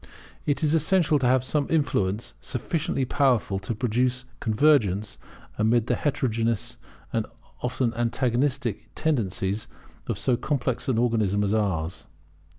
It is essential to have some influence sufficiently powerful to produce convergence amid the heterogeneous and often antagonistic tendencies of so complex an organism as ours.